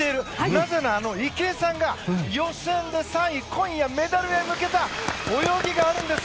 なぜなら池江さんが予選で３位今夜、メダルへ向けた泳ぎがあるんです！